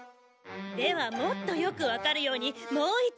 ではもっとよくわかるようにもう一度幻術を。